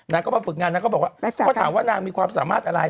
นางก็มาฝึกงานนางก็บอกว่าเขาถามว่านางมีความสามารถอะไร